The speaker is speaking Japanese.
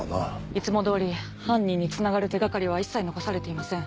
いつも通り犯人につながる手掛かりは一切残されていません。